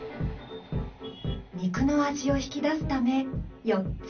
肉の味を引き出すため４つだけ。